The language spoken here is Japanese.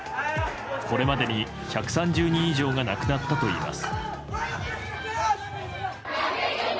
これまでに１３０人以上が亡くなったといいます。